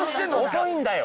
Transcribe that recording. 遅いんだよ。